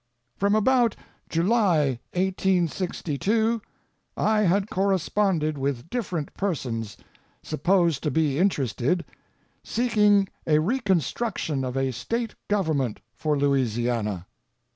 From about July 1862, I had corresponded with different persons, supposed to be interested, seeking a reconstruction of a State government for Louisiana.